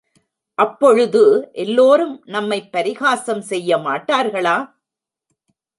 அப்பொழுது எல்லோரும் நம்மைப் பரிகாசம் செய்ய மாட்டார்களா?